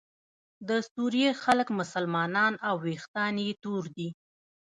د سوریې خلک مسلمانان او ویښتان یې تور دي.